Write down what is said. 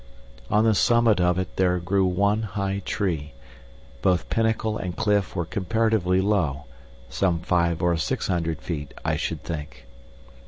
On the summit of it there grew one high tree. Both pinnacle and cliff were comparatively low some five or six hundred feet, I should think.